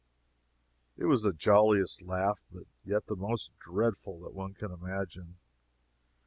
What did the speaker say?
It was the jolliest laugh, but yet the most dreadful, that one can imagine.